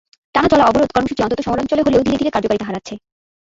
টানা চলা অবরোধ কর্মসূচি অন্তত শহরাঞ্চলে হলেও ধীরে ধীরে কার্যকারিতা হারাচ্ছে।